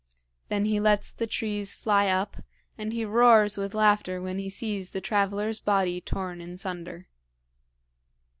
Then he lets the trees fly up, and he roars with laughter when he sees the traveler's body torn in sunder."